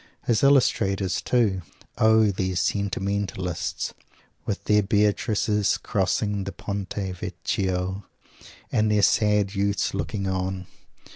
His illustrators, too! O these sentimentalists, with their Beatrices crossing the Ponte Vecchio, and their sad youths looking on!